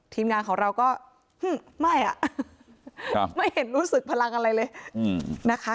ทีมงานของเราก็ไม่อ่ะไม่เห็นรู้สึกพลังอะไรเลยนะคะ